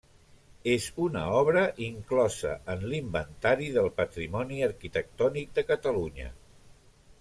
És una obra inclosa en l'Inventari del Patrimoni Arquitectònic de Catalunya.